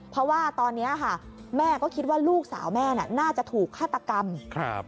เพราะว่าตอนนี้ค่ะแม่ก็คิดว่าลูกสาวแม่น่าจะถูกฆาตกรรม